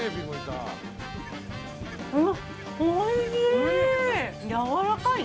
おいしい。